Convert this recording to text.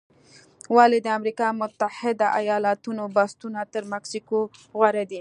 ولې د امریکا متحده ایالتونو بنسټونه تر مکسیکو غوره دي؟